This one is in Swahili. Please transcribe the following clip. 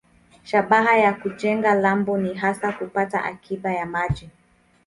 Shabaha ya kujenga lambo ni hasa kupata akiba ya maji.